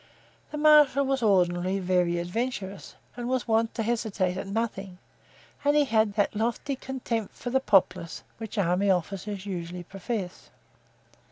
The marshal was ordinarily very adventurous and was wont to hesitate at nothing; and he had that lofty contempt for the populace which army officers usually profess.